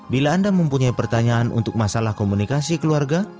bila anda mempunyai pertanyaan untuk masalah komunikasi keluarga